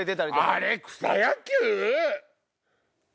あれ草野球⁉